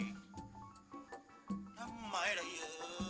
namai lah ya